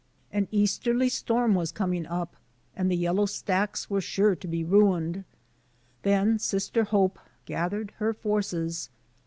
An easterly storm was coming up and the yellow stacks were sure to be ruined. Then Sister '* Hope gathered her forces.